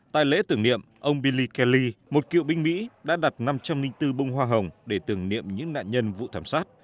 tại lễ tưởng niệm ông billy kelly một cựu binh mỹ đã đặt năm trăm linh bốn bông hoa hồng để tưởng niệm những nạn nhân vụ thảm sát